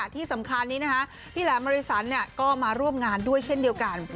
ที่สำคัญนี้นะคะพี่แหลมมริสันก็มาร่วมงานด้วยเช่นเดียวกัน